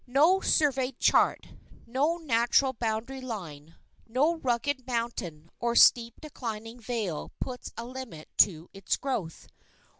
No surveyed chart, no natural boundary line, no rugged mountain or steep declining vale puts a limit to its growth.